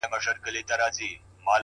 اې د قوتي زلفو مېرمني در نه ځمه سهار ـ